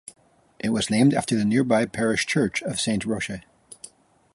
It was named after the nearby parish church of Saint Roche.